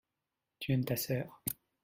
tu aimes ta sœur.